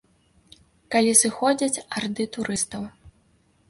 Калі сыходзяць арды турыстаў.